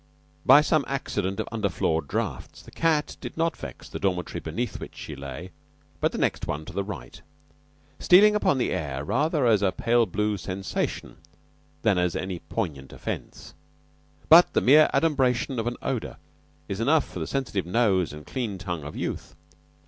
By some accident of under floor drafts the cat did not vex the dormitory beneath which she lay, but the next one to the right; stealing on the air rather as a pale blue sensation than as any poignant offense. But the mere adumbration of an odor is enough for the sensitive nose and clean tongue of youth.